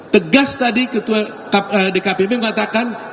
tegas tadi ketua dkpp mengatakan